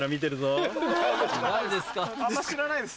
あんま知らないです。